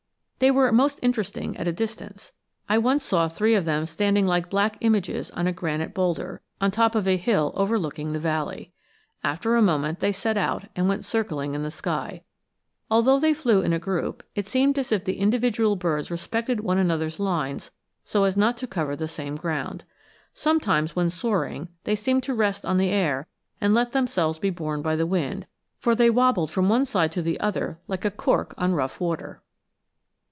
They were most interesting at a distance. I once saw three of them standing like black images on a granite bowlder, on top of a hill overlooking the valley. After a moment they set out and went circling in the sky. Although they flew in a group, it seemed as if the individual birds respected one another's lines so as not to cover the same ground. Sometimes when soaring they seemed to rest on the air and let themselves be borne by the wind; for they wobbled from one side to the other like a cork on rough water.